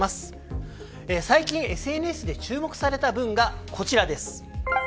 最近、ＳＮＳで注目された文がこちらです。